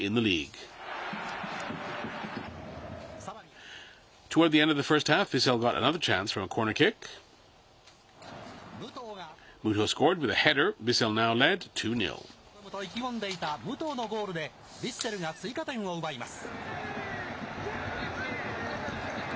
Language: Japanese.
すべてを懸けてこの一戦に臨むと意気込んでいた武藤のゴールで、ヴィッセルが追加点を奪います。